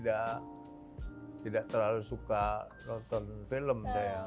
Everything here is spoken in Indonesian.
tidak terlalu suka nonton film